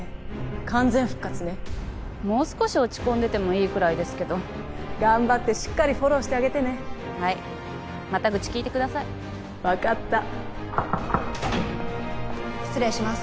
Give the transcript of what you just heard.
完全復活ねもう少し落ち込んでてもいいくらいですけど頑張ってしっかりフォローしてあげてねはいまた愚痴聞いてください分かった失礼します